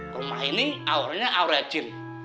rumah ini awalnya aura jin